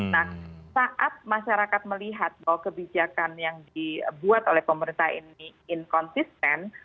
nah saat masyarakat melihat bahwa kebijakan yang dibuat oleh pemerintah ini inkonsisten